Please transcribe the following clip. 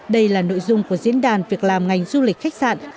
đây là nội dung của diễn đàn việc làm ngành du lịch khách sạn